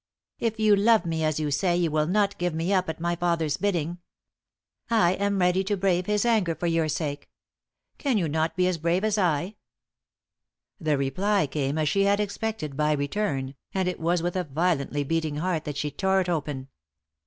"If you love me as you say, you will not give me up at my father's bidding. I am ready to brave his anger for your sake. Can you not be as brave as I?" The reply came, as she had expected, by return, and it was with a violently beating heart that she tore it open.